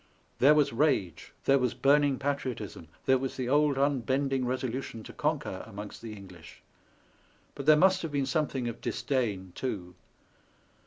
There was rage, there was burning patriotism, there was the old unbend ing resolution to conquer amongst the English ; but there must have been something of disdain too.